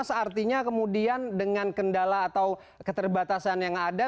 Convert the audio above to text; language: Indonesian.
seartinya kemudian dengan kendala atau keterbatasan yang ada